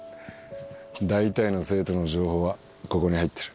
大体の生徒の情報はここに入ってる。